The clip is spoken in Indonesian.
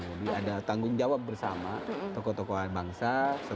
jadi ada tanggung jawab bersama tokoh tokoh bangsa